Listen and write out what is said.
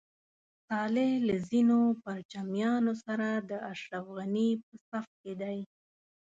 صالح له ځینو پرچمیانو سره د اشرف غني په صف کې دی.